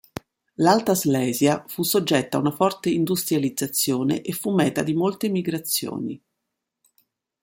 L'Alta Slesia fu soggetta ad una forte industrializzazione e fu meta di molte migrazioni.